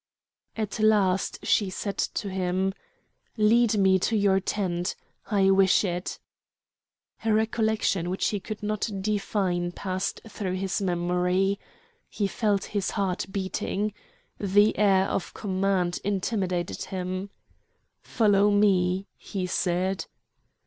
At last she said to him: "Lead me to your tent! I wish it!" A recollection which he could not define passed through his memory. He felt his heart beating. The air of command intimidated him. "Follow me!" he said.